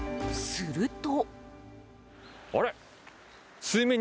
すると。